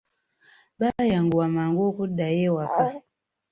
Baayanguwa mangu okuddayo ewaka.